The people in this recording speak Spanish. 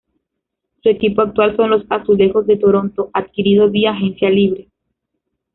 Su equipo actual son los Azulejos de Toronto, adquirido vía agencia libre.